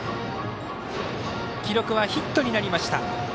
記録はヒットになりました。